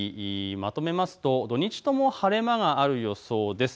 まとめますと土日とも晴れ間がある予想です。